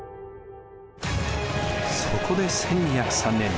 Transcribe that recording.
そこで１２０３年